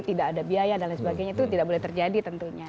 tidak ada biaya dan lain sebagainya itu tidak boleh terjadi tentunya